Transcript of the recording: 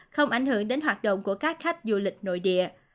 không ảnh hưởng đến hoạt động của các khách du lịch nội địa